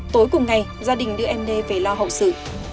tối cùng ngày gia đình đưa md về lo hậu sự